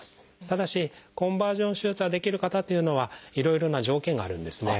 ただしコンバージョン手術ができる方というのはいろいろな条件があるんですね。